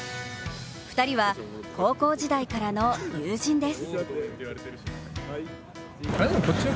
２人は高校時代からの友人です。